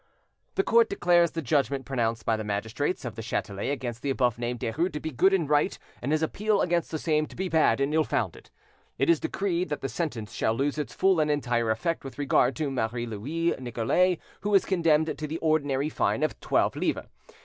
"The Court declares the judgment pronounced by the magistrates of the Chatelet against the above named Derues to be good and right, and his appeal against the same to be bad and ill founded. "It is decreed that the sentence shall lose its full and entire effect with regard to Marie Louise Nicolais, who is condemned to the ordinary fine of twelve livres.